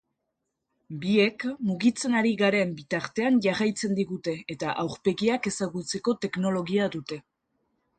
Biek mugitzen ari garen bitartean jarraitzen digute eta aurpegiak ezagutzeko teknologia dute.